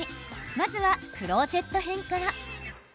まずはクローゼット編から。